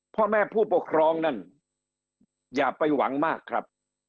พ่อแม่ผู้ปกครองนั่นอย่าไปหวังมากครับ